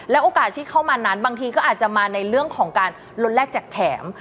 โอกาสที่เข้ามานั้นบางทีก็อาจจะมาในเรื่องของการลดแรกแจกแถม